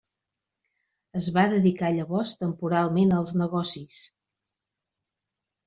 Es va dedicar llavors temporalment als negocis.